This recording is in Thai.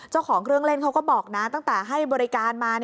เจ้าของเครื่องเล่นเขาก็บอกนะตั้งแต่ให้บริการมา